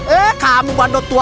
eh kamu pandu tua